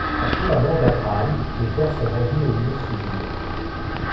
Après la mort d'Abraham, les terres sont vendues aux Ursulines.